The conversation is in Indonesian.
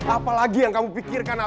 apalagi yang kamu pikirkan